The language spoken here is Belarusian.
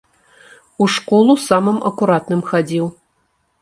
У школу самым акуратным хадзіў.